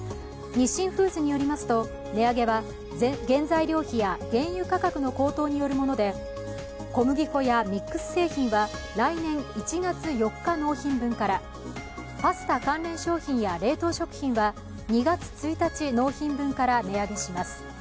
日清フーズによりますと値上げは原材料費や原油価格の高騰によるもので、小麦粉やミックス製品は来年１月４日納品分から、パスタ関連商品や冷凍食品は２月１日納品分から値上げします。